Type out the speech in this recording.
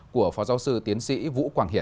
của phó giáo sư tiến sĩ vũ quang hiển